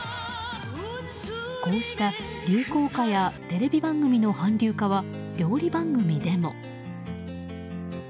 こうした流行歌やテレビ番組の韓流化は料理番組でも。